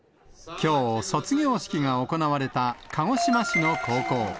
きょう、卒業式が行われた鹿児島市の高校。